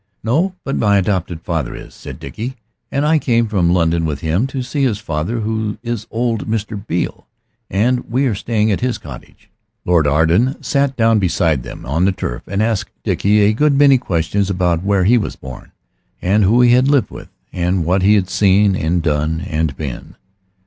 "No, but my adopted father is," said Dickie, "and I came from London with him, to see his father, who is old Mr. Beale, and we are staying at his cottage." Lord Arden sat down beside them on the turf and asked Dickie a good many questions about where he was born, and who he had lived with, and what he had seen and done and been.